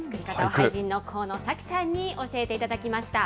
俳人の神野紗希さんに教えていただきました。